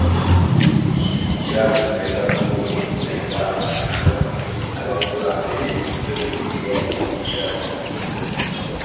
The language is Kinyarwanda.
Shyigikira ugusenga k ukuri Gusenga amashusho n abakurambere Icyo Bibiliya yigisha igi